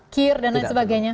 kier dan lain sebagainya